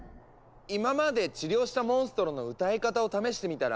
今まで治療したモンストロの歌い方を試してみたら？